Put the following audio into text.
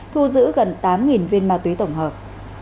thu giữ gần tám viên ma túy tổng hợp